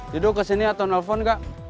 dido kesini atau nelfon gak